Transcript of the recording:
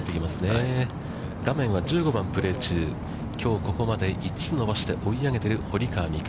画面は１５番プレー中、きょうここまで５つ伸ばして追い上げている堀川未来